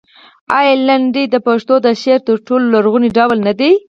آیا لنډۍ د پښتو د شعر تر ټولو لرغونی ډول نه دی؟